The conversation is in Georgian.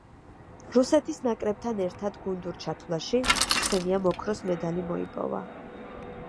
რუსეთის ნაკრებთან ერთად გუნდურ ჩათვლაში ქსენიამ ოქროს მედალი მოიპოვა.